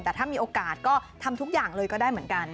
แต่ถ้ามีโอกาสก็ทำทุกอย่างเลยก็ได้เหมือนกัน